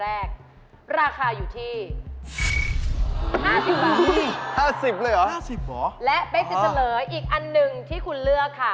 และเบ๊กจะเฉลยอีกอันหนึ่งที่คุณเลือกค่ะ